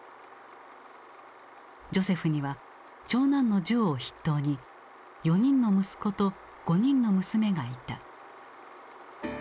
ジョセフには長男のジョーを筆頭に４人の息子と５人の娘がいた。